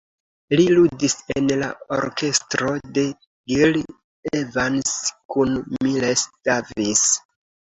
Li ludis en la orkestro de Gil Evans kun Miles Davis.